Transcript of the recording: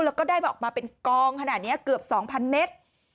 แล้วก็ได้ออกมาเป็นกองขนาดนี้เกือบ๒๐๐เมตร